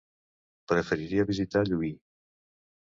Preferiria visitar Llubí.